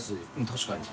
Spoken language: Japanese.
Δ確かに。